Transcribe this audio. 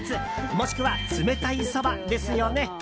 もしくは冷たいそばですよね。